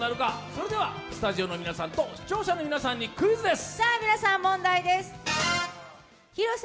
それではスタジオの皆さんと視聴者の皆さんにクイズです。